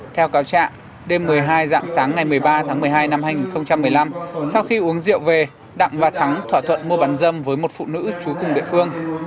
theo cáo trạng đêm một mươi hai dạng sáng ngày một mươi ba tháng một mươi hai năm hai nghìn một mươi năm sau khi uống rượu về đặng và thắng thỏa thuận mua bán dâm với một phụ nữ trú cùng địa phương